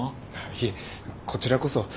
いえこちらこそ。